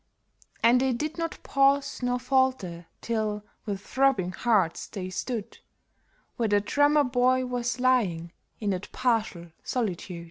And they did not pause nor falter till, with throbbing hearts, they stood Where the Drummer Boy was lying in that partial solitude.